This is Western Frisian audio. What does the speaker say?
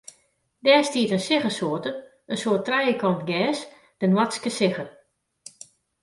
Dêr stiet in siggesoart, in soart trijekant gers, de noardske sigge.